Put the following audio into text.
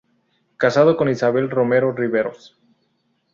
Casado con Isabel Romero Riveros.